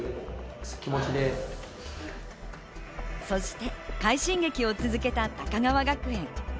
そして快進撃を続けた高川学園。